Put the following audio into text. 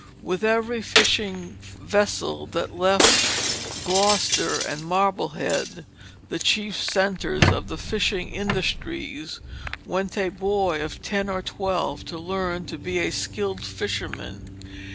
With every fishing vessel that left Gloucester and Marblehead, the chief centres of the fishing industries, went a boy of ten or twelve to learn to be a skilled fisherman.